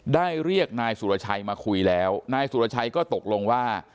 เรียกนายสุรชัยมาคุยแล้วนายสุรชัยก็ตกลงว่า